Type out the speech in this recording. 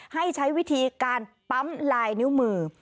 ให้ใช้วิธีการปั๊มลายนิ้วมือ